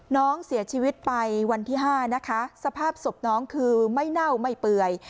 น้องเสียชีวิตไปวันที่๕นะคะสภาพศพน้องคือไม่เน่าไม่เปื่อย